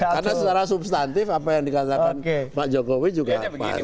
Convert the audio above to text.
karena secara substantif apa yang dikatakan pak jokowi juga pas